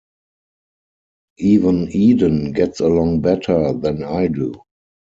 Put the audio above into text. Even Eden gets along better than I do.